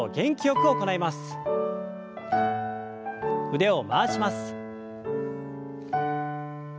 腕を回します。